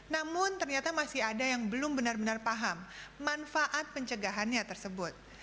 namun ternyata masih ada yang belum benar benar paham manfaat pencegahannya tersebut